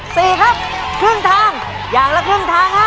สี่ครับครึ่งทางอย่างละครึ่งทางฮะ